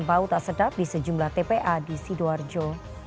bau tak sedap di sejumlah tpa di sidoarjo